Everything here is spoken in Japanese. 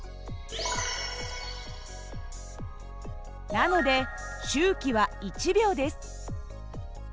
なので周期は１秒です。